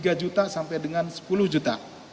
tiga juta sampai dengan sepuluh juta